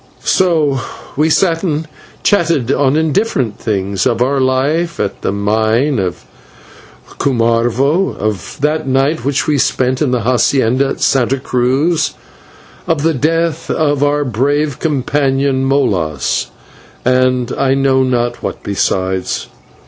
So we sat and chatted on different things of our life at the mine at Cumarvo, of that night which we spent in the /hacienda/ at Santa Cruz, of the death of our brave companion, Molas, and I know not what besides.